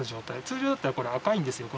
通常だったら赤いんですよ